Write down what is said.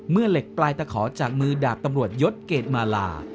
เหล็กปลายตะขอจากมือดาบตำรวจยศเกรดมาลา